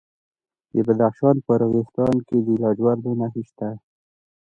د بدخشان په راغستان کې د لاجوردو نښې شته.